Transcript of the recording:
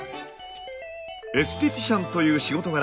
エステティシャンという仕事柄